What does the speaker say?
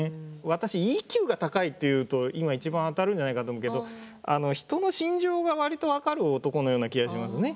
私ＥＱが高いっていうと今一番当たるんじゃないかと思うけど人の心情が割と分かる男のような気がしますね。